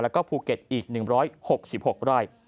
และภูเก็ตอีก๑๖๖ราย